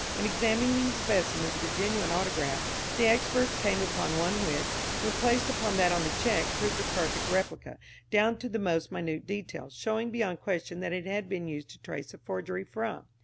In examining specimens of the genuine autograph, the experts came upon one which, when placed upon that on the cheque, proved a perfect replica, down to the most minute detail, showing beyond question that it had been used to trace the forgery from.